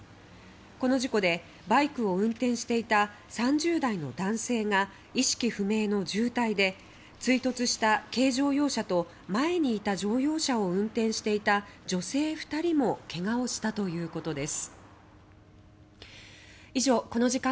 この事故でバイクを運転していた３０代の男性が意識不明の重体で追突した軽乗用車と前にいた乗用車を運転していた女性２人も怪我をしたということです。